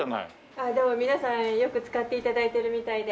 ああでも皆さんよく使って頂いてるみたいで。